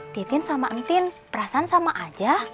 titin sama entin perasaan sama aja